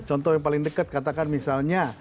contoh yang paling dekat katakan misalnya